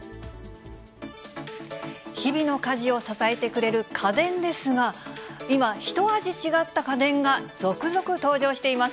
日々の家事を支えてくれる家電ですが、今、ひと味違った家電が続々登場しています。